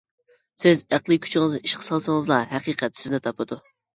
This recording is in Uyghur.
سىز ئەقلىي كۈچىڭىزنى ئىشقا سالسىڭىزلا ھەقىقەت سىزنى تاپىدۇ.